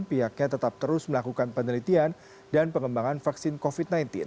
pihaknya tetap terus melakukan penelitian dan pengembangan vaksin covid sembilan belas